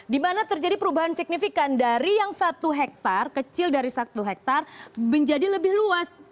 di mana terjadi perubahan signifikan dari yang satu hektare kecil dari satu hektare menjadi lebih luas